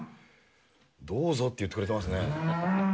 どうぞって言ってくれてますね。